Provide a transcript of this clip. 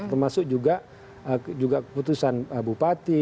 termasuk juga keputusan bupati